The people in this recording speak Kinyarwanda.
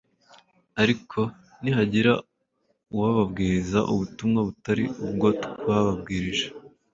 Ariko nihagira ubabwiriza ubutumwa butari ubwo twababwirije,